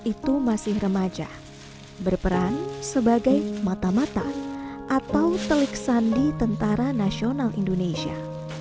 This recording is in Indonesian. itu masih remaja berperan sebagai mata mata atau telik sandi tentara nasional indonesia